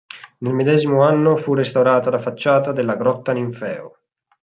Nel medesimo anno fu restaurata la facciata della Grotta-Ninfeo.